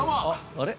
あれ？